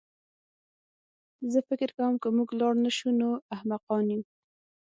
زه فکر کوم که موږ لاړ نه شو نو احمقان یو